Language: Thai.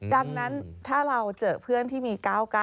ดังนั้นถ้าเราเจอเพื่อนที่มี๙๙